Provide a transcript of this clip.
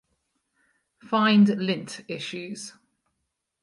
Find lint issues